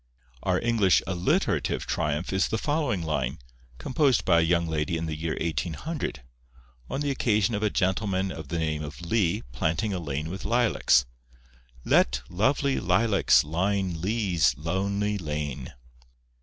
Our English alliterative triumph is the following line, composed by a young lady in the year 1800, on the occasion of a gentleman of the name of Lee planting a lane with lilacs:— 'Let lovely lilacs line Lee's lonely lane!